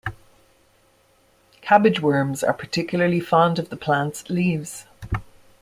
Cabbage worms are particularly fond of the plant's leaves.